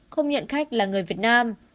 không nhận khách là người việt nam